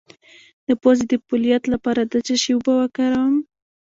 د پوزې د پولیت لپاره د څه شي اوبه وکاروم؟